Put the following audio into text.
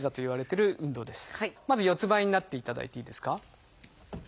まず四つんばいになっていただいていいですか。